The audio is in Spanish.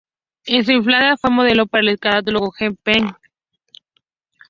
En su infancia fue modelo para el catálogo J. C. Penney.